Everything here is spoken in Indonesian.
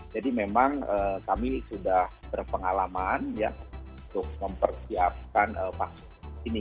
jadi memang kami sudah berpengalaman untuk mempersiapkan vaksin